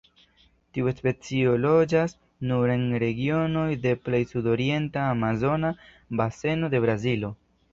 Tiu specio loĝas nur en regionoj de plej sudorienta Amazona Baseno de Brazilo.